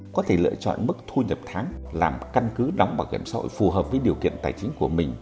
có thể lựa chọn mức thu nhập tháng làm căn cứ đóng bảo hiểm xã hội phù hợp với điều kiện tài chính của mình